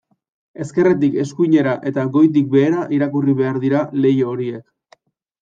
Ezkerretik eskuinera eta goitik behera irakurri behar dira leiho horiek.